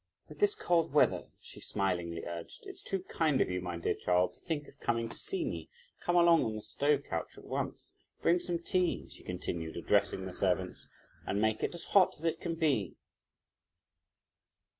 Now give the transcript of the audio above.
"With this cold weather," she smilingly urged, "it's too kind of you, my dear child, to think of coming to see me; come along on the stove couch at once! Bring some tea," she continued, addressing the servants, "and make it as hot as it can be!"